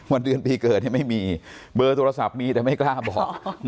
วันเดือนปีเกิดไม่มีเบอร์โทรศัพท์มีแต่ไม่กล้าบอก